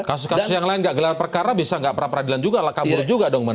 kalau tidak perapra peradilan juga kabur juga dong